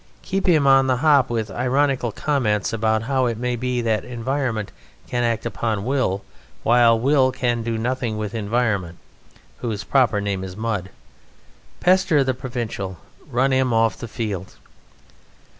Keep him on the hop with ironical comments upon how it may be that environment can act upon Will, while Will can do nothing with environment whose proper name is mud. Pester the provincial. Run him off the field.